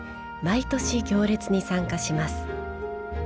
毎年、行列に参加します。